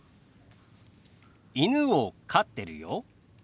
「犬を飼ってるよ」。